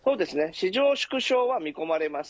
市場縮小は見込まれます。